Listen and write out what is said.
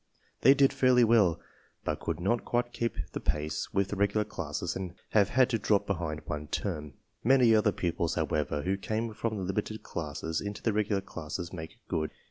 They did fairly well, but could not quite keep the pace with the regular classes and have had to drop behind one term. Many other pupils, however, who come from the limited classes into the regular classes make good.